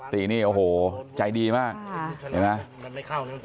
ตีนี่โอ้โหใจดีมากเห็นไหม